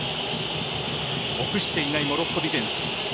臆していないモロッコディフェンス。